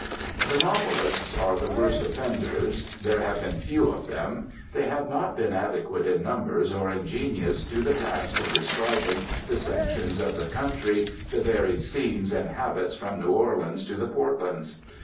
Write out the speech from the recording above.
The novelists are the worst offenders. There have been few of them; they have not been adequate in numbers or in genius to the task of describing the sections of the country, the varied scenes and habits from New Orleans to the Portlands.